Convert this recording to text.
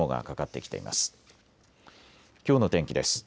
きょうの天気です。